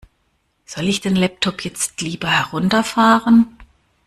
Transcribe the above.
Soll ich den Laptop jetzt lieber herunterfahren?